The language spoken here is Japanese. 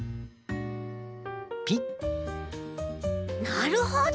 なるほど！